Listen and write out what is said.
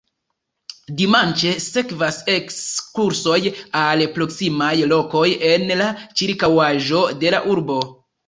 Dimanĉe sekvas ekskursoj al proksimaj lokoj en la ĉirkaŭaĵo de la urbo.